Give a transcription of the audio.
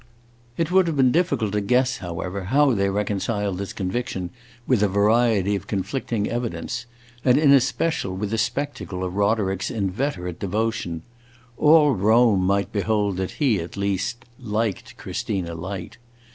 It would have been difficult to guess, however, how they reconciled this conviction with a variety of conflicting evidence, and, in especial, with the spectacle of Roderick's inveterate devotion. All Rome might behold that he, at least, "liked" Christina Light.